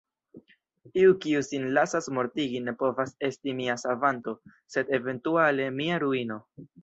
Iu kiu sin lasas mortigi ne povas esti mia savanto, sed eventuale mia ruino.